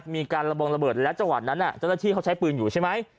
มีการระบองระเบิดและจังหวัดนั้นเจ้าหน้าที่เขาใช้ปืนอยู่ใช่ไหม